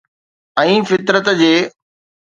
۽ فطرت جي.